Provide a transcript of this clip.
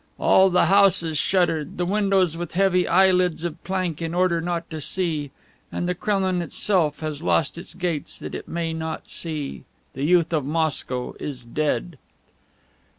All the houses shuttered, the windows with heavy eyelids of plank in order not to see! "And the Kremlin itself has closed its gates that it may not see. "The youth of Moscow is dead!"